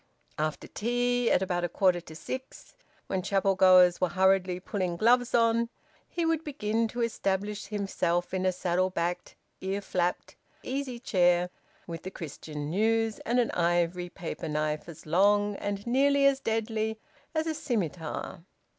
After tea, at about a quarter to six, when chapel goers were hurriedly pulling gloves on, he would begin to establish himself in a saddle backed, ear flapped easy chair with "The Christian News" and an ivory paper knife as long and nearly as deadly as a scimitar.